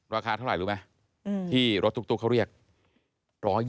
ราคาเท่าไหร่รู้ไหมที่รถตุ๊กเขาเรียก๑๒๐